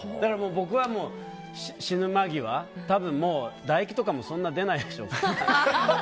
僕は死ぬ間際多分、唾液とかもそんなに出ないでしょ。